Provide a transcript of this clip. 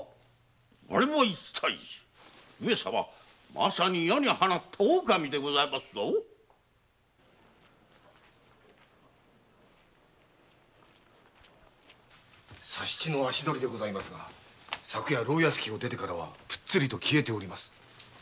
まさに野に放ったオオカミでございますぞ佐七の足取りでございますが昨夜牢屋敷を出てからはぷっつりと消えております。